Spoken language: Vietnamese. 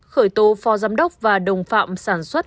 khởi tố phò giám đốc và đồng phạm sản xuất hàng giả bán chống dịch